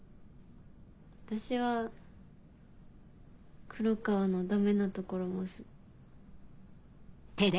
私は黒川のダメなところもす。